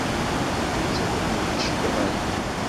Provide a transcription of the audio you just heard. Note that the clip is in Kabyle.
D nettat i ken-id-iceyyεen?